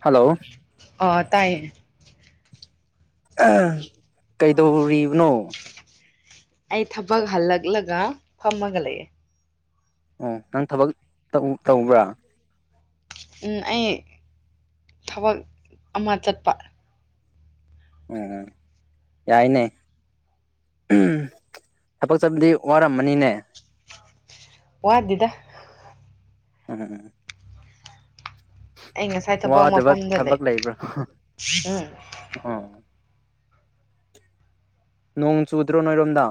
hello ꯑ ꯇꯥꯏꯌꯦ ꯀꯩꯗꯧꯔꯤꯕꯅꯣ ꯑꯩ ꯊꯕꯛ ꯍꯜꯂꯛꯂꯒ ꯐꯝꯃꯒ ꯂꯩꯑꯦ ꯑꯣ ꯅꯪ ꯊꯕꯛ ꯇꯧꯕ꯭ꯔꯥ ꯑꯩ ꯊꯕꯛ ꯑꯃ ꯆꯠꯄ ꯎꯝ ꯌꯥꯏꯅꯦ ꯊꯕꯛ ꯆꯕꯗꯤ ꯋꯥꯔꯝꯃꯅꯤꯅꯦ ꯋꯥꯗꯗ ꯎꯝ ꯑꯩ ꯉꯁꯥꯏ ꯊꯕꯛ ꯋꯥꯗꯕ ꯃꯐꯝꯗ ꯂꯩ ꯊꯕꯛ ꯂꯩꯕ꯭ꯔꯥ ꯎꯝ ꯑꯣ ꯅꯣꯡ ꯆꯨꯗ꯭ꯔꯣ ꯅꯣꯏꯔꯣꯝꯗ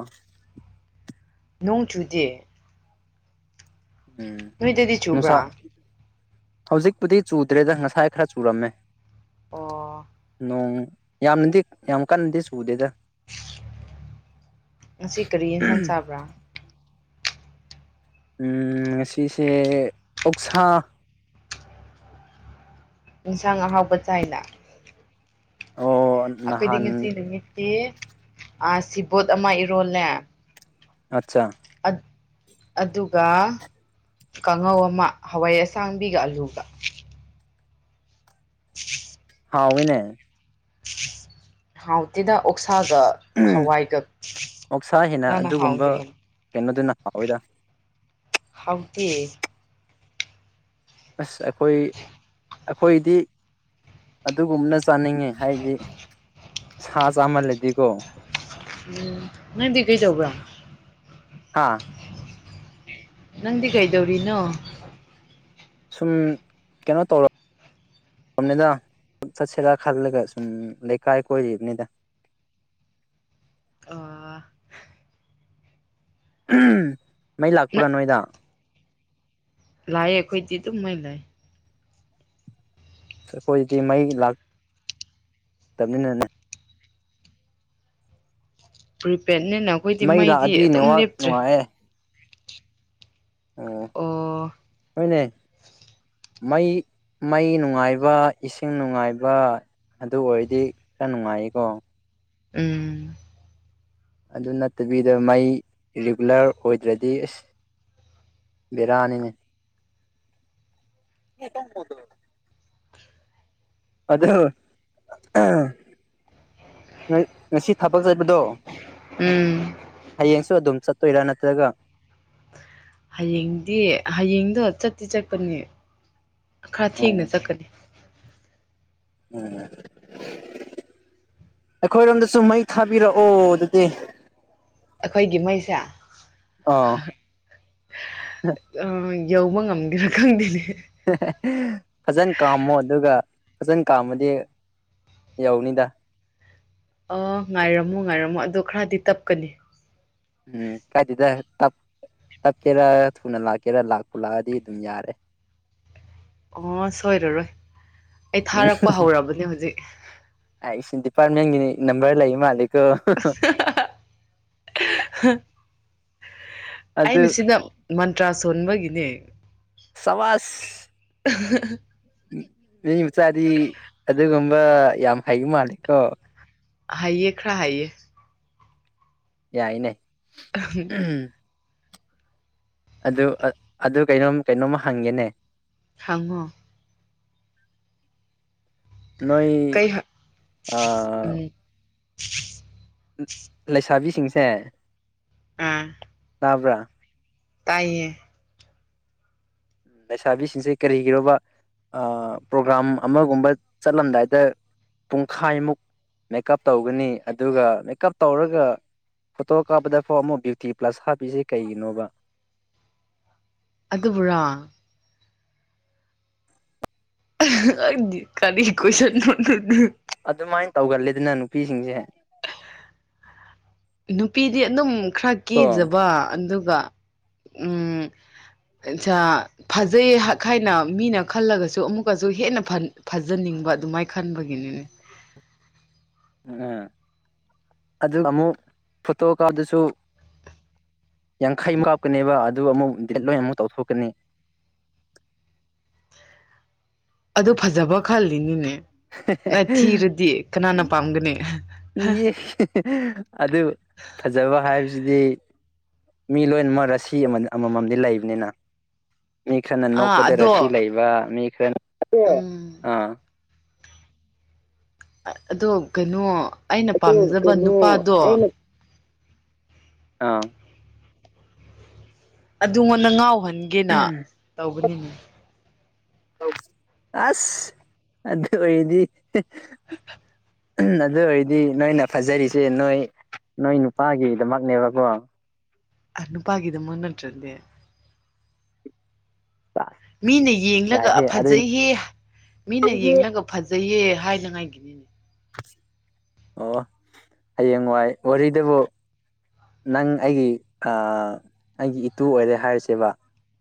ꯅꯣꯡ ꯆꯨꯗꯦ ꯎꯝ ꯅ ꯑꯗꯨꯗꯤ ꯆꯨꯕ꯭ꯔꯥ ꯅꯨꯡꯁꯥ ꯍꯧꯖꯤꯛꯄꯨꯗꯤ ꯆꯨꯗ꯭ꯔꯦꯗ ꯉꯁꯥꯏ ꯈꯔ ꯆꯨꯔꯝꯃꯦ ꯑꯣ ꯅꯣꯡ ꯌꯥꯝꯅꯗꯤ ꯌꯥꯝ ꯀꯟꯅꯗꯤ ꯁꯨꯗꯦꯗ ꯉꯁꯤ ꯀꯔꯤ ꯌꯦꯟꯁꯥꯡ ꯎꯝ ꯁꯥꯕ꯭ꯔꯥ ꯎꯝ ꯁꯤꯁꯦ ꯑꯣꯛꯁꯥ ꯏꯁꯥꯡ ꯑꯍꯥꯎꯕ ꯆꯥꯏꯅ ꯑꯣ ꯑꯩꯈꯣꯏꯗꯤ ꯉꯁꯤ ꯅꯍꯥꯟ ꯅꯨꯃꯤꯠꯇꯤ ꯑ ꯁꯤꯕꯣꯠ ꯑꯃ ꯏꯔꯣꯜꯂꯦ ꯑꯆꯥ ꯑꯗꯨꯒ ꯀꯥꯡꯉꯧ ꯑꯃ ꯍꯋꯥꯏ ꯑꯁꯥꯡꯕꯤꯒ ꯑꯂꯨꯒ [unintelligible] ꯍꯥꯎ ꯑꯣꯏꯅꯦ ꯍꯥꯎꯗ ꯑꯣ ꯁꯥꯒ ꯍꯋꯥꯏꯒ ꯑꯣꯛꯁꯥ ꯉꯅ ꯍꯥꯎꯈꯤꯔꯅꯤ ꯍꯥꯎꯣꯏꯗ ꯍꯧꯥꯎꯗꯤ ꯑꯁ ꯑꯩꯈꯣꯏ ꯑꯩꯈꯣꯏꯗꯤ ꯑꯗꯨꯒꯨꯝꯅ ꯆꯥꯅꯤꯡꯉꯦ ꯍꯥꯏꯗꯤ ꯁꯥ ꯆꯥꯃꯜꯂꯗꯤꯀꯣ ꯎꯝ ꯅꯪꯗꯤ ꯀꯩꯖꯧꯕ꯭ꯔ ꯍꯥꯥ ꯅꯪꯗꯤ ꯀꯩꯗꯧꯔꯤꯅꯣ ꯁꯨꯝ ꯀꯩꯅꯣ ꯇꯧꯔ ꯇꯔꯕꯅꯤꯗ ꯆꯠꯁꯤꯔꯥ ꯈꯜꯂꯒ ꯁꯨꯝ ꯂꯩꯀꯥꯏ ꯀꯣꯏꯔꯤꯕꯅꯤꯗ ꯑꯥ ꯃꯩ ꯂꯥꯛꯄ꯭ꯔꯥ ꯅꯣꯏꯗ ꯂꯑꯌꯦꯦꯈꯣꯏꯗꯤ ꯇ ꯃꯣꯏ ꯂꯩ ꯑꯩꯈꯣꯏꯁꯤꯗꯤ ꯃꯩ ꯂꯥꯛꯇꯕꯅꯤꯅꯅꯦ ꯐ ꯄꯦꯠꯅꯤꯅ ꯑꯩꯈꯣꯏꯗꯤ ꯃꯩ ꯃꯩꯗꯤ ꯂꯥꯛꯑꯗꯤ ꯑꯗꯨꯝ ꯅꯦꯠꯋꯥꯛ ꯂꯦꯞꯇ꯭ꯔꯦ ꯅꯨꯡꯉꯥꯏꯌꯦ ꯑ ꯑꯣ ꯍꯅꯦ ꯃꯩ ꯃꯩ ꯅꯨꯡꯉꯥꯏꯕ ꯏꯁꯤꯡ ꯅꯨꯡꯉꯥꯏꯕ ꯑꯗꯨ ꯑꯣꯏꯔꯗꯤ ꯈꯔ ꯅꯨꯡꯉꯥꯏꯌꯦꯀꯣ ꯎꯝ ꯑꯗꯨ ꯅꯠꯇꯕꯤꯗ ꯃꯩ ꯔꯤꯒꯨꯂꯔ ꯑꯣꯏꯗ꯭ꯔꯗꯤ ꯑꯁ ꯕꯦꯔꯥꯅꯤꯅꯦ ꯑꯗꯁꯤ ꯊꯕꯛ ꯆꯠꯄꯗꯣ ꯎꯝ ꯍꯌꯦꯡꯁꯨ ꯑꯗꯨꯝ ꯆꯠ ꯏꯂ ꯅꯠꯇ꯭ꯔꯒ ꯍꯌꯦꯡꯗꯤ ꯍꯌꯦꯡꯗꯣ ꯆꯠꯇꯤ ꯆꯠꯄꯅꯦ ꯈꯔ ꯊꯦꯡꯅ ꯎꯝ ꯆꯠꯀꯅꯤ ꯎꯝ ꯑꯩꯈꯣꯏꯔꯣꯝꯗꯁꯨ ꯃꯩ ꯊꯥꯕꯤꯔꯛꯑꯣ ꯑꯗꯨꯗꯤ ꯑꯩꯈꯣꯏꯒꯤ ꯃꯩꯁꯦ ꯑ ꯑꯥ ꯌꯧꯕ ꯉꯝꯗꯦꯔꯥ ꯈꯪꯗꯦꯅꯦ ꯐꯖꯅ ꯀꯥꯝꯃꯣ ꯑꯗꯨꯒ ꯐꯖꯅ ꯀꯥꯝꯃꯗꯤ ꯌꯧꯅꯤꯗ ꯑ ꯉꯥꯏꯔꯝꯃꯣ ꯉꯥꯏꯔꯝꯃꯣ ꯑꯣ ꯈꯔꯗꯤ ꯇꯞꯀꯅꯤ ꯎꯝ ꯀꯥꯏꯗꯗ ꯇꯞꯀꯦꯔꯥ ꯊꯨꯅ ꯂꯥꯛꯀꯦꯔ ꯂꯥꯛꯄ ꯂꯥꯛꯑꯗꯤ ꯑꯗꯨꯝ ꯌꯥꯔꯦ ꯑꯣ ꯁꯣꯏꯗꯔꯣꯏ ꯑꯩ ꯎꯝ ꯊꯥꯔꯛꯄ ꯍꯧꯔꯕꯅꯦ ꯍꯧꯖꯤꯛ ꯐꯥꯔꯃꯤ ꯅꯪꯒꯤꯅꯤ ꯅꯝꯕꯔ ꯂꯩꯌꯦ ꯃꯥꯜꯂꯤ [unintelligible] ꯑꯗꯨ ꯑꯩꯅ ꯁꯤꯗ ꯃꯟꯇ꯭ꯔꯥ ꯁꯣꯟꯕꯒꯤ ꯅꯦ ꯁꯕꯥꯁ [inaudible] ꯑꯗꯨ [inaudible] ꯃꯤ ꯃꯆꯥꯗꯤ ꯑꯗꯨꯒꯨꯝ ꯌꯥꯝ ꯍꯩ ꯃꯥꯜꯂꯤꯀꯣ ꯍꯩꯌꯦ ꯈꯔꯥ ꯍꯩꯌꯦ ꯌꯥꯏꯅꯦ ꯎꯝ ꯑꯗꯨ ꯑꯗꯨ ꯀꯩꯅꯣ ꯀꯩꯅꯣꯝꯃ ꯍꯪꯒꯦꯅꯦ ꯈꯥꯡꯉꯣ ꯅꯣꯏ ꯀꯩ ꯑꯥ ꯎꯝ [inaudible] ꯂꯩꯁꯥꯕꯤꯁꯤꯡꯁꯦ ꯑꯝ ꯇꯥꯕ꯭ꯔꯥ ꯇꯌꯦ ꯂꯩꯁꯥꯕꯤꯁꯤꯡꯁꯦ ꯀꯔꯤꯒꯤꯅꯣꯕ ꯄ꯭ꯔꯣꯒ꯭ꯔꯥꯝ ꯑꯃꯒꯨꯝꯕ ꯆꯠꯂꯝꯗꯥꯏꯗ ꯄꯨꯡꯈꯥꯏꯃꯨꯛ ꯃꯦꯀꯥꯞ ꯇꯧꯒꯅꯤ ꯑꯗꯨꯒ ꯃꯦꯀꯥꯞ ꯇꯧꯔꯒ ꯐꯣꯇꯣ ꯀꯥꯞꯄꯗꯐꯥꯎ ꯑꯃꯨꯛ ꯕꯤꯌꯨꯇꯤ ꯄ꯭ꯂꯁ ꯍꯥꯞꯄꯤꯁꯦ ꯀꯩꯒꯤꯅꯣꯕ ꯑꯗꯨꯕꯨꯔꯣ ꯈꯪꯗꯦ ꯀꯔꯤ ꯀꯣꯏꯁꯟꯅꯣ ꯑꯗꯨꯗꯤ ꯑꯗꯨꯃꯥꯏꯅ ꯇꯧꯒꯜꯂꯦꯗꯅ ꯅꯨꯄꯤꯁꯤꯡꯁꯦ ꯅꯨꯄꯤꯗꯤ ꯑꯗꯨꯝ ꯈꯔ ꯀꯣ ꯀꯦꯖꯕ ꯑꯗꯨꯒ ꯎꯝ ꯑꯆꯥ ꯐꯖꯩ ꯍꯥꯏꯅ ꯃꯤꯅ ꯈꯜꯂꯒꯁꯨ ꯑꯃꯨꯛꯀꯁꯨ ꯍꯦꯟꯅ ꯐꯖꯅꯤꯡꯕ ꯑꯗꯨꯃꯥꯏꯅ ꯈꯟꯕꯒꯤꯅꯤꯅꯦ ꯎꯝ ꯑꯗꯨ ꯑꯃꯨꯛ ꯐꯣꯇꯣ ꯀꯞꯄꯗꯁꯨ ꯌꯥꯡꯈꯩ ꯀꯥꯞꯀꯅꯦꯕ ꯑꯗꯨ ꯑꯃꯨꯛ ꯗꯤꯂꯦꯠ ꯂꯣꯏ ꯑꯃꯨꯛ ꯇꯧꯊꯣꯛꯀꯅꯤ ꯑꯗꯨ ꯐꯖꯕ ꯈꯜꯂꯤꯅꯤꯅꯦ ꯅꯪ ꯊꯤꯔꯗꯤ ꯀꯅꯥꯅ ꯄꯥꯝꯒꯅꯤ ꯀꯤꯌꯦ ꯑꯗꯨ ꯐꯖꯕ ꯍꯥꯏꯕꯁꯤꯗꯤ ꯃꯤ ꯂꯣꯏꯅꯃꯛ ꯔꯤꯁꯤ ꯑꯃꯃꯝꯗꯤ ꯂꯩꯕꯅꯤꯅ ꯃꯤ ꯈꯥꯔꯅ ꯑꯥ ꯅꯣꯛꯄꯗ ꯔꯥꯁꯤ ꯑꯗꯣ ꯂꯩꯕ ꯃꯤ ꯁ ꯎꯝ [inaudible] ꯑꯥ ꯑꯗꯣ ꯀꯩꯅꯣ ꯑꯩꯅ ꯑꯗꯣ ꯄꯥꯝꯖꯕ ꯀꯩꯅꯣ ꯅꯨꯄꯥꯗꯣ ꯑꯩꯅ ꯑꯥ ꯑꯗꯨꯉꯣꯟꯗ ꯉꯥꯎꯍꯅꯤ ꯈꯒꯤꯅ ꯇꯧꯕꯅꯤꯅꯤ ꯑꯁ ꯑꯗꯨ ꯑꯣꯏꯔꯗꯤ ꯑꯗꯨ ꯑꯣꯏꯔꯗꯤ ꯅꯣꯏꯅ ꯐꯖꯔꯤꯁꯦ ꯅꯣꯏ ꯅꯣꯏ ꯅꯨꯄꯥꯒꯤꯗꯃꯛꯅꯦꯕꯀꯣ ꯑꯅꯄꯥꯒꯤꯗ ꯃꯟꯅꯠꯇꯗꯦ ꯆꯥꯁ ꯃꯤꯅ ꯌꯦꯡꯂꯒ ꯌꯥꯏꯍꯦ ꯑꯗꯨ ꯐꯖꯩꯍꯦ ꯃꯤꯅ ꯑꯩꯒꯤ ꯌꯦꯡꯂꯒ ꯐꯖꯩꯍꯦ ꯍꯥꯏꯥꯏꯖꯉꯥꯏꯒꯤꯅꯤꯅꯦ ꯑꯣ ꯍꯌꯦꯡ ꯋꯥꯏ ꯋꯥꯔꯤꯗꯕꯨ ꯅꯪ ꯑꯩꯒꯤ ꯑꯩꯒꯤ ꯏꯇꯨ ꯑꯣꯏꯔꯦ ꯍꯥꯏꯔꯤꯁꯦꯕ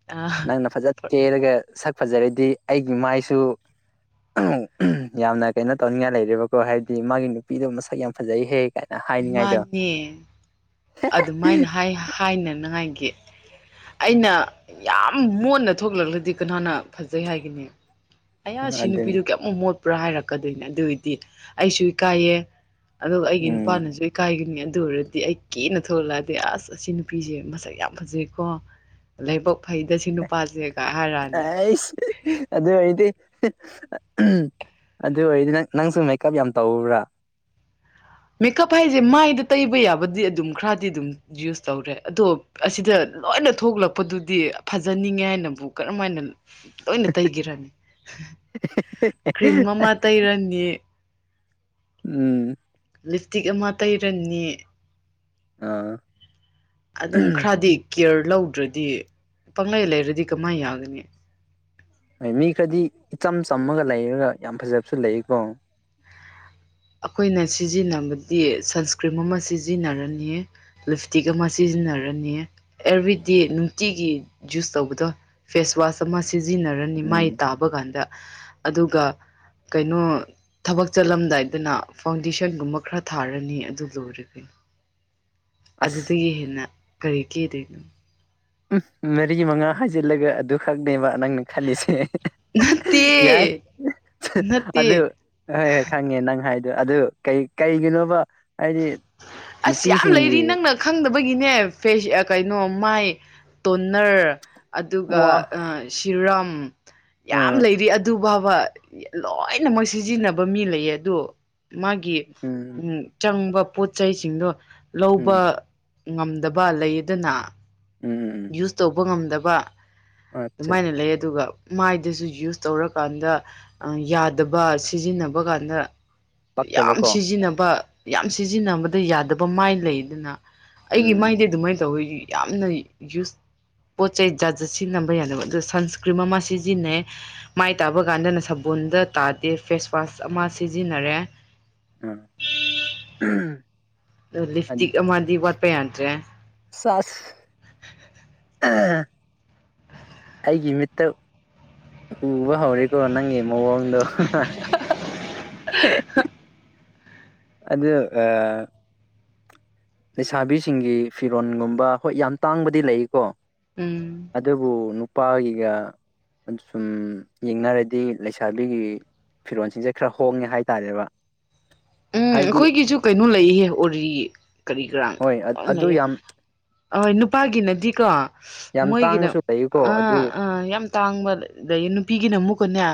ꯑ ꯅꯪꯅ ꯐꯖ ꯇꯦꯔꯒ ꯁꯛ ꯐꯖꯔꯗꯤ ꯑꯩꯒꯤ ꯃꯥꯏꯁꯨ ꯌꯥꯝꯅ ꯀꯩꯅꯣ ꯇꯧꯅꯤꯡꯉꯥꯏ ꯂꯩꯔꯦꯕꯀꯣ ꯍꯥꯏꯗꯤ ꯃꯥꯒꯤ ꯅꯨꯄꯤꯗꯣ ꯃꯁꯛ ꯌꯥꯝ ꯐꯖꯩꯍꯦ ꯀꯥꯏꯅ ꯍꯥꯏꯅꯤꯡꯉꯥꯏꯗꯣ ꯃꯥꯅꯦ ꯑꯗꯨꯃꯥꯏꯅ ꯍꯥꯏꯅꯅꯕ ꯍꯥꯏꯅꯤ ꯑꯩꯅ ꯌꯥꯝ ꯃꯣꯟꯅ ꯊꯣꯛꯂꯛꯂꯗꯤ ꯀꯅꯥꯅ ꯐꯖꯩ ꯍꯥꯏꯒꯅꯤ ꯑꯌꯥ ꯁꯤ ꯑꯗꯨꯅꯤ ꯅꯨꯄꯤꯗꯨꯣ ꯀꯌꯥꯃꯨꯛ ꯃꯣꯠ ꯄꯨꯔꯥ ꯍꯥꯏꯔꯛꯀꯗꯣꯏꯅꯦ ꯑꯗꯨꯏꯗꯤ ꯑꯩꯁꯨ ꯏ ꯀꯥꯏꯌꯦ ꯑꯗꯨꯒ ꯑꯩꯒꯤ ꯎꯝ ꯄꯥꯟꯁꯨ ꯀꯥꯏꯒꯅꯤ ꯑꯗꯨ ꯑꯣꯏꯔꯗꯤ ꯑꯩ ꯀꯦꯅ ꯊꯣꯛꯂꯂꯛꯑꯗꯤ ꯑꯁ ꯑꯁꯤ ꯅꯨꯄꯤꯁꯦ ꯃꯁꯛ ꯌꯥꯝ ꯐꯖꯩꯀꯣ ꯂꯥꯏꯕꯛ ꯐꯩꯗ ꯁꯤ ꯅꯨꯄꯥꯁꯦꯒ ꯍꯥꯏꯔꯛꯑꯅꯤ ꯇꯁ ꯑꯗꯨꯗ ꯑꯣꯏꯗꯤ ꯑꯗꯨ ꯑꯣꯏꯔꯗꯤ ꯅꯪ ꯅꯪꯁꯨ ꯃꯦꯛꯀꯞ ꯌꯥꯝ ꯇꯧꯧꯕ꯭ꯔꯥ ꯃꯦꯀꯞ ꯍꯥꯏꯁꯦ ꯃꯥꯏꯗ ꯇꯩꯕ ꯌꯥꯕꯗꯤ ꯑꯗꯨꯝ ꯈꯔꯗꯤ ꯑꯗꯨꯝ ꯌꯨꯁ ꯇꯧꯔꯦ ꯑꯗꯣ ꯑꯁꯤꯗ ꯂꯣꯏꯅ ꯊꯣꯛꯂꯛꯄꯗꯨꯗꯤ ꯐꯖꯅꯤꯡꯉꯦ ꯍꯥꯏꯅꯕꯨ ꯀꯔꯝ ꯍꯥꯏꯅ ꯂꯣꯏꯅ ꯇꯩꯈꯤꯔꯅꯤ ꯀ꯭ꯔꯤꯝ ꯑꯃ ꯇꯩꯔꯅꯤ ꯎꯝ ꯂꯤꯞꯇꯤꯛ ꯑꯃ ꯇꯩꯔꯅꯤ ꯑꯥ ꯑꯗꯨꯝ ꯈꯔꯗꯤ ꯀꯦꯌꯔ ꯂꯧꯗ꯭ꯔꯗꯤ ꯄꯪꯂꯪꯂꯩ ꯂꯩꯔꯗꯤ ꯀꯃꯥꯏꯅ ꯌꯥꯒꯅꯤ ꯍꯣꯏ ꯃꯤ ꯈꯔꯗꯤ ꯏꯆꯝ ꯆꯝꯃꯒ ꯂꯩꯔꯒ ꯌꯥꯝ ꯐꯖꯕꯁꯨ ꯂꯩꯀꯣ ꯑꯩꯈꯣꯏꯅ ꯁꯤꯖꯤꯟꯅꯕꯗꯤ ꯁꯟꯁꯀ꯭ꯔꯤꯝ ꯑꯃ ꯁꯤꯖꯤꯟꯅꯔꯅꯤꯌꯦ ꯂꯤꯞꯁꯇꯤꯛ ꯑꯃ ꯁꯤꯖꯤꯟꯅꯔꯅꯤ ꯑꯦꯚ꯭ꯔꯤꯗꯦ ꯅꯨꯡꯇꯤꯒꯤ ꯌꯖꯨꯁ ꯇꯧꯕꯗꯣ ꯐꯦꯁꯋꯥꯁ ꯑꯃ ꯁꯤꯖꯤꯟꯅꯔꯅꯤ ꯃꯥꯏ ꯎꯝ ꯇꯥꯕ ꯀꯥꯟꯗ ꯑꯗꯨꯒ ꯀꯩꯅꯣ ꯊꯕꯛ ꯆꯠꯂꯝꯗꯥꯏ ꯑꯗꯨꯅ ꯐꯥꯎꯟꯗꯦꯁꯟꯒꯨꯝꯕ ꯈꯔ ꯊꯥꯔꯅꯤ ꯑꯗꯨ ꯂꯣꯏꯔꯒꯅꯤ ꯑꯁ ꯑꯗꯨꯗꯒꯤ ꯍꯦꯟꯅ ꯀꯔꯤ ꯀꯦꯗꯅ ꯎꯝ ꯃꯔꯤ ꯃꯉꯥ ꯍꯥꯏꯖꯤꯜꯂꯒ ꯑꯗꯨꯈꯛꯅꯦꯕ ꯅꯪꯅ ꯈꯜꯂꯤꯁꯦ ꯅꯠꯇꯦ ꯌꯥꯏ ꯑꯗꯨ ꯅꯠꯇꯦ ꯍꯣꯏ ꯍꯣꯏ ꯈꯪꯉꯦ ꯅꯪ ꯍꯥꯏ ꯑꯗꯨ ꯀꯩ ꯀꯩꯒꯤꯅꯣꯕ ꯍꯥꯏꯗꯤ ꯑꯁ ꯌꯥꯝ ꯅꯨꯄꯤꯁꯤꯡꯒꯤ ꯂꯩꯔꯤ ꯅꯪꯅ ꯈꯪꯗꯕ ꯒꯤꯅꯦ ꯐꯦꯁ ꯀꯩꯅꯣ ꯃꯥꯏ ꯇꯣꯅꯔ ꯑꯗꯨꯒ ꯋꯥ ꯆꯤꯔꯝ ꯑ ꯌꯥꯝ ꯂꯩꯔꯤ ꯑꯗꯨ ꯐꯥꯎꯕ ꯂꯣꯏꯅꯃꯛꯣꯏ ꯁꯤꯖꯤꯟꯅꯕ ꯃꯤ ꯂꯩꯌꯦ ꯑꯗꯨ ꯃꯥꯒꯤꯒꯤ ꯎꯝ ꯆꯪꯕ ꯄꯣꯠ ꯆꯩꯁꯤꯡꯗꯣ ꯂꯧꯕ ꯎꯝ ꯉꯝꯗꯕ ꯂꯩꯗꯅ ꯎꯝ ꯎꯝ ꯌꯨꯁ ꯇꯧꯕ ꯉꯝꯗꯕ ꯋꯥ ꯑꯠꯆꯥ ꯑꯗꯨꯃꯥꯏꯅ ꯂꯩ ꯑꯗꯨꯒ ꯃꯥꯏꯗꯁꯨ ꯌꯨꯁ ꯇꯧꯔꯀꯥꯟꯗ ꯌꯥꯗꯕ ꯁꯤꯖꯤꯟꯅꯕ ꯀꯥꯟꯗ ꯌꯥꯝ ꯄꯛꯇꯕꯀꯣ ꯁꯤꯖꯤꯟꯅꯕ ꯌꯥꯝ ꯁꯤꯖꯤꯟꯅꯕꯗ ꯌꯥꯗꯕ ꯃꯥꯏ ꯂꯩꯗꯅ ꯑꯩꯒꯤ ꯃꯥꯏꯗꯤ ꯎꯝ ꯑꯗꯨꯃꯥꯏꯅ ꯇꯧꯋꯤ ꯌꯥꯝꯅ ꯌꯨꯁ ꯄꯣꯠ ꯆꯩꯩ ꯖꯥꯠ ꯖꯠ ꯁꯤꯖꯤꯟꯅꯕ ꯌꯥꯗꯅꯕ ꯑꯗꯨ ꯁꯟꯁꯀ꯭ꯔꯤꯝ ꯑꯃ ꯁꯤꯖꯤꯟꯅꯩ ꯃꯥꯏ ꯇꯥꯕ ꯀꯥꯟꯗꯅ ꯁꯕꯣꯜꯗ ꯇꯥꯗꯦ ꯐꯦꯁ ꯋꯥꯁ ꯑꯃ ꯁꯤꯖꯤꯟꯅꯔꯦ ꯑ ꯑ ꯂꯤꯐꯇꯤꯛ ꯑꯃꯗꯤ ꯋꯥꯠꯄ ꯌꯥꯗ꯭ꯔꯦ ꯁꯁ ꯑꯩꯒꯤ ꯃꯤꯠꯇ ꯎꯕ ꯍꯧꯔꯦꯀꯣ ꯅꯪꯦ ꯃꯑꯣꯡꯗ ꯑꯗ ꯑ ꯂꯩꯁꯥꯕꯤꯁꯤꯡꯒꯤ ꯐꯤꯔꯣꯟꯜꯒꯨꯝꯕ ꯍꯣꯏ ꯌꯥꯝ ꯇꯥꯡꯕꯗꯤ ꯂꯩꯀꯣ ꯎꯝ ꯑꯗꯕꯨ ꯅꯨꯄꯥꯒꯤꯒ ꯁꯨꯝ ꯌꯦꯡꯅꯔꯗꯤ ꯂꯩꯁꯥꯕꯤꯒꯤ ꯐꯤꯔꯣꯜꯁꯤꯡꯁꯦ ꯈꯔ ꯍꯣꯡꯉꯦ ꯍꯥꯏꯇꯥꯔꯦꯕ ꯎꯝ ꯍꯥꯏꯕꯗꯤ ꯑꯩꯈꯣꯏꯒꯤꯁꯨ ꯀꯩꯅꯣ ꯂꯩꯍꯦ ꯎꯔꯤ ꯀꯔꯤ ꯀꯔꯥꯡ ꯍꯣꯏ ꯑ- ꯑꯣ ꯑꯗꯨ ꯂꯩꯦ ꯌꯥꯝ ꯑꯣꯏ ꯅꯨꯄꯥꯒꯤꯅ ꯑꯀ ꯌꯥꯝ ꯃꯣꯏꯒꯤꯅ ꯇꯥꯡꯕꯁꯨ ꯂꯩꯀꯣ ꯑ ꯑꯗꯨ ꯑ ꯌꯥꯝ ꯇꯥꯡꯕ ꯑꯗꯒꯤ ꯅꯨꯄꯤꯒꯤꯅ ꯑꯃꯨꯛ ꯄꯨꯨꯟꯟꯅ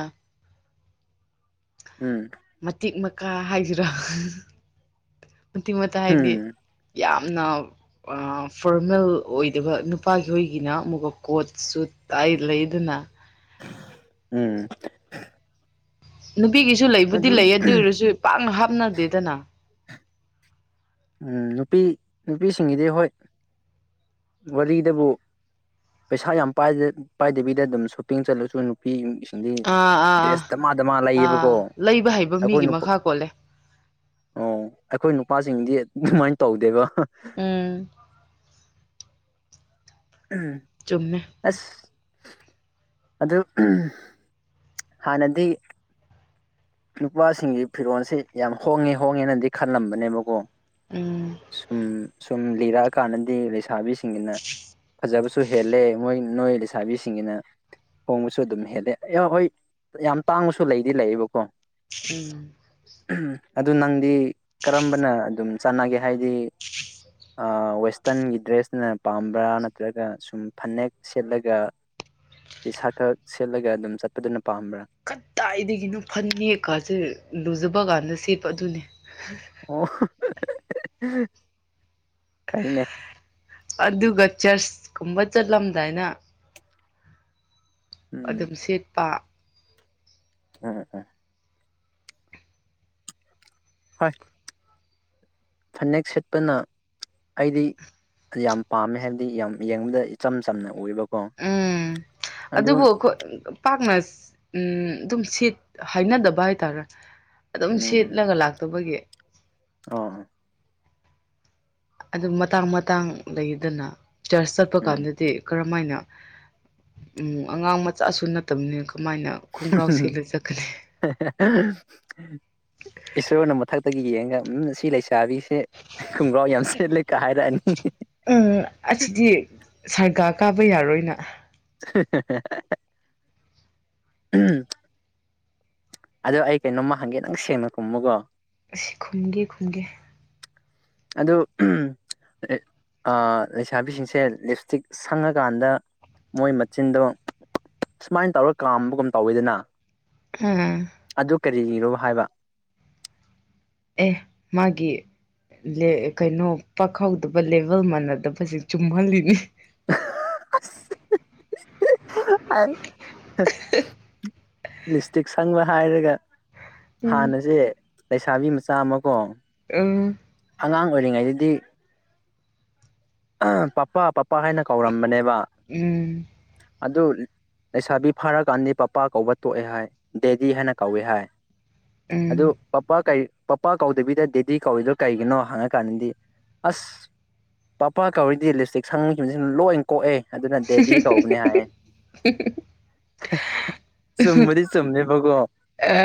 ꯎꯝ ꯃꯇꯤꯛ ꯃꯀꯥ ꯍꯥꯏꯁꯤꯔ ꯃꯇꯤꯡ ꯃꯇ ꯍꯥꯏꯗꯤ ꯌꯥꯝ ꯎꯝ ꯌꯥꯝꯅ ꯐꯣꯔꯃꯦꯜ ꯑꯣꯏꯗꯕ ꯅꯨꯄꯥꯒꯤ ꯍꯣꯏꯒꯤꯅ ꯑꯃꯨꯛꯀ ꯀꯣꯠꯁꯨ ꯇꯥꯏ ꯂꯩꯗꯅ ꯎꯝ ꯅꯨꯄꯤꯒꯤꯁꯨ ꯂꯩꯕꯨꯗꯤ ꯂꯩ ꯑꯗꯨ ꯑꯣꯏꯔꯁꯨ ꯄꯥꯛꯅ ꯍꯥꯞꯅꯗꯦꯗꯅ ꯎꯝ ꯅꯨꯄꯤ ꯅꯨꯄꯤꯁꯤꯡꯒꯤꯗꯤ ꯍꯣꯏ ꯋꯥꯔꯤꯗꯕꯨ ꯄꯩꯁꯥ ꯌꯥꯝ ꯄꯥꯏꯗꯕꯤꯗ ꯑꯗꯨꯝ ꯁꯣꯄꯤꯡ ꯆꯠꯂꯁꯨ ꯅꯨꯄꯤ ꯑꯥ ꯑꯥ ꯑꯥ ꯑꯥ ꯂꯩꯌꯦꯕꯀꯣ ꯂꯩꯕ ꯍꯩꯕ ꯑꯩꯈꯣꯏ ꯃꯤꯒꯤ ꯅꯨꯄꯥ ꯃꯈꯥ ꯀꯣꯜꯂꯦ ꯁꯤꯡꯗꯤ ꯃꯟ ꯇ ꯍꯗꯦꯕ ꯑ ꯎꯝ ꯎꯝ ꯆꯨꯝꯃꯦ ꯑꯁ ꯑꯗꯨ ꯍ ꯅꯗꯤ ꯅꯨꯄꯥꯁꯤꯡꯒꯤ ꯐꯤꯔꯣꯟꯜꯁꯤꯦ ꯌꯥꯝ ꯍꯣꯡꯉꯦ ꯍꯣꯡꯉꯦꯅꯗꯤ ꯈꯜꯂꯝꯕꯅꯦꯕꯀꯣ ꯎꯝ ꯎꯝ ꯁꯨꯝ ꯂꯤꯔꯛꯑ ꯀꯥꯟꯗꯗꯤ ꯂꯩꯁꯥꯕꯤ ꯁꯤꯡꯅ ꯐꯖꯥ ꯁꯨ ꯍꯦꯜꯂꯦ ꯃꯣꯏ ꯅꯣꯏ ꯂꯩꯁꯥꯕꯤꯁꯤꯡꯒꯤꯅ ꯍꯣꯡꯕꯁꯨ ꯑꯗꯨꯝ ꯍꯦꯜꯂꯦ ꯑꯦ ꯍꯣꯏ ꯌꯥꯝ ꯇꯥꯡꯕꯁꯨ ꯂꯩꯗꯤ ꯂꯩꯌꯦꯕꯀꯣ ꯎꯝ ꯑꯗꯨ ꯅꯪꯗꯤ ꯀꯔꯝꯕꯅ ꯑꯗꯨꯝ ꯆꯥꯟꯅꯒꯦ ꯍꯥꯏꯗꯤ ꯋꯦꯁꯇꯔꯟꯒꯤ ꯗ꯭ꯔꯦꯁꯅ ꯄꯥꯝꯕ꯭ꯔꯥ ꯅꯠꯇ꯭ꯔꯒ ꯁꯨꯝ ꯐꯅꯦꯛ ꯁꯦꯠꯂꯒ ꯗꯤꯤꯁꯥ ꯈꯛ ꯁꯦꯠꯂꯒ ꯑꯗꯨꯝ ꯆꯠꯄꯗꯨꯅ ꯄꯥꯝꯕ꯭ꯔꯥ ꯀꯗꯥꯏꯗꯒꯤꯅꯣ ꯐꯅꯦꯛ ꯀꯥꯁꯦ ꯂꯨꯖꯕ ꯀꯥꯟꯗ ꯁꯦꯠꯄ ꯑꯗꯨꯅꯤ ꯑꯣ [unintelligible] ꯍꯅꯦ ꯑꯗꯨꯒ ꯆꯔꯆ ꯀꯨꯝꯕ ꯆꯠꯂꯝꯗꯥꯏꯅ ꯑꯗꯨꯝ ꯎꯝ ꯁꯦꯠꯄ ꯎꯝ ꯎꯝ ꯍꯣꯏ ꯐꯅꯦꯛ ꯁꯦꯠꯄꯅ ꯑꯩꯗꯤ ꯌꯥꯝ ꯄꯥꯝꯃꯦ ꯍꯥꯏꯕꯗꯤ ꯌꯥꯝ ꯌꯦꯡꯕꯗ ꯏꯆꯝ ꯆꯝꯅ ꯑꯣꯏꯕ ꯎꯝ ꯑꯗꯨꯕꯨ ꯑꯩꯈꯣꯏ ꯄꯥꯛꯅ ꯎꯝ ꯑꯗꯨꯝ ꯁꯤꯠ ꯍꯥꯏꯅꯗꯕ ꯍꯥꯏꯇꯥꯔꯦ ꯑꯗꯨꯝ ꯁꯦꯠꯂꯒ ꯂꯥꯛꯇꯕꯒꯤ ꯑ ꯑꯗꯨ ꯃꯇꯥꯡ ꯃꯇꯥꯡ ꯂꯩꯗꯅ ꯆꯔꯆ ꯆꯠꯄ ꯎꯝ ꯀꯥꯟꯗꯗꯤ ꯀꯔꯝꯃ ꯍꯥꯏꯅ ꯎꯝ ꯑꯉꯥꯡ ꯃꯆꯥꯁꯨ ꯅꯠꯇꯕꯅꯦ ꯁꯃꯥꯏꯅ ꯈꯣꯡꯒ꯭ꯔꯥꯎ ꯁꯦꯂ ꯆꯠꯀꯅꯤ ꯏꯁꯣꯔꯅ ꯃꯊꯛꯇꯒꯤ ꯌꯦꯡꯉꯒ ꯎꯝ ꯁꯤ ꯂꯩꯁꯤ ꯀꯥꯕꯤꯁꯦ ꯈꯣꯡꯒ꯭ꯔꯥꯎ ꯌꯥꯝ ꯁꯦꯠꯂꯦ ꯀ ꯍꯥꯏꯔꯛꯑꯅꯤ ꯎꯝ ꯑꯁꯤꯗꯤ ꯁꯔꯒꯥ ꯀꯥꯕ ꯌꯥꯔꯣꯏꯅ ꯎꯝ ꯑꯗꯣ ꯑꯩ ꯀꯩꯅꯣꯝꯃ ꯍꯪꯒꯦ ꯅꯪ ꯁꯦꯡꯅ ꯀꯨꯝꯃꯨꯒꯣ ꯑꯁꯤ ꯈꯨꯝꯒꯦ ꯈꯨꯝꯒꯦ ꯑꯗꯨ ꯂꯩꯁꯥꯕꯤꯁꯤꯡꯁꯦ ꯂꯤꯞ ꯏꯁꯇꯤꯛ ꯁꯪꯉꯀꯥꯟꯗ ꯃꯣꯏ ꯃꯆꯤꯟꯗꯣ ꯁꯨꯃꯥꯏꯅ ꯇꯧꯔꯒ ꯀꯥꯝꯕꯒꯨꯝ ꯇꯧꯋꯤꯗꯅ ꯑꯝ ꯑꯗꯨ ꯀꯔꯤ ꯏꯔꯣ ꯍꯥꯏꯕ ꯑꯦ ꯃꯥꯒꯤ ꯀꯩꯅꯣ ꯄꯥꯍꯧꯗꯕ ꯂꯦꯚꯦꯜ ꯃꯥꯟꯅꯗꯕꯁꯦ ꯆꯨꯝꯍꯜꯂꯤꯅꯤ [unintelligible] ꯂꯤꯁꯇꯤꯛ ꯁꯪꯕ ꯍꯥꯏꯔꯒ ꯎꯝ ꯍꯥꯟꯅꯁꯦ ꯂꯩꯁꯥꯕꯤ ꯃꯆꯥ ꯑꯃ ꯀꯣ ꯑ ꯑꯉꯥꯡ ꯑꯣꯏꯔꯤꯉꯩꯗꯗꯤ ꯑ ꯄꯄꯥ ꯄꯄꯥ ꯍꯥꯏꯅ ꯀꯧꯔꯝꯕꯅꯦꯕ ꯎꯝ ꯑꯗꯨ ꯂꯩꯁꯥꯕꯤ ꯐꯥꯔꯀꯥꯟꯗꯤ ꯄꯄꯥ ꯀꯧꯕ ꯇꯣꯛꯑꯦ ꯍꯥꯏ ꯗꯦꯗꯤ ꯍꯥꯏꯅ ꯀꯧꯋꯦ ꯍꯥꯏ ꯎꯝ ꯑꯗꯨꯗ ꯄꯄꯥꯥ ꯀꯩ ꯄꯄꯥ ꯀꯧꯗꯕꯤꯗ ꯗꯦꯗꯤ ꯀꯧꯏꯗꯣ ꯀꯩꯒꯤꯅꯣ ꯍꯪꯉꯀꯥꯟꯗꯗꯤ ꯑꯁ ꯄꯄꯥ ꯀꯧꯔꯤꯗꯤ ꯂꯤꯞꯁꯇꯤꯛ ꯁꯪꯉꯈꯤꯕꯁꯤꯡꯅ ꯂꯣꯏꯅ ꯀꯣꯛꯑꯦ ꯑꯗꯨꯅ ꯗꯦꯗꯤ ꯀꯧꯕꯅꯤ ꯍꯥꯏ ꯆꯨꯝꯕꯗꯤ ꯆꯨꯝꯅꯦꯕꯀꯣ ꯑ